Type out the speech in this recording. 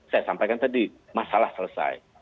saya sampaikan tadi masalah selesai